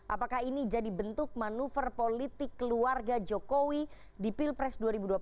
apakah ini jadi bentuk manuver politik keluarga jokowi di pilpres dua ribu dua puluh empat